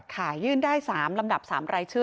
ยื่นได้๓ลำดับ๓รายชื่อ